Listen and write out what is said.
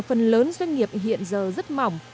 phần lớn doanh nghiệp hiện giờ rất mỏng